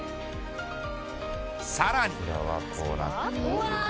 さらに。